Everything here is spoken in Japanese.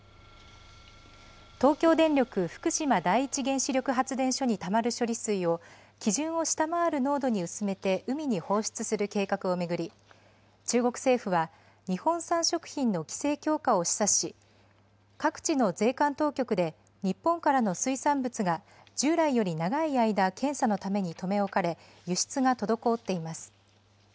東京電力福島第一原子力発電所にたまる処理水を、基準を下回る濃度に薄めて海に放出する計画を巡り、中国政府は、日本産食品の規制強化を示唆し、各地の税関当局で日本からの水産物が従来より長い間、検査のために留め置かれ、輸出が滞っています。